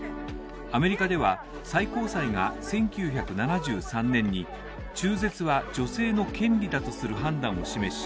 アメリカでは最高裁が１９７３年に中絶は女性の権利だとする判断を示し